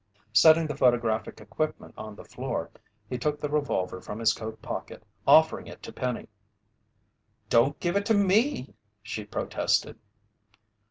Setting the photographic equipment on the floor, he took the revolver from his coat pocket, offering it to Penny. "Don't give it to me," she protested.